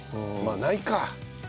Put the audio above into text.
まあないか。